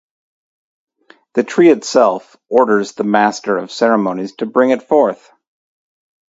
The tree itself orders the master of ceremonies to bring it forth.